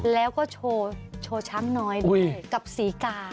แล้วก็โชว์ช้างน้อยโดยเทปกับสก